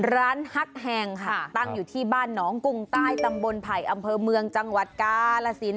ฮักแฮงค่ะตั้งอยู่ที่บ้านหนองกุงใต้ตำบลไผ่อำเภอเมืองจังหวัดกาลสิน